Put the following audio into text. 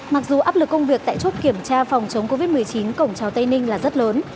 mặc dù áp lực công việc tại chốt kiểm tra phòng chống covid một mươi chín cổng trào tây ninh là rất lớn